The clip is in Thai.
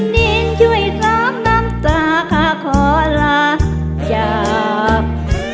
ดินช่วยซากน้ำตาขาขอลาจับ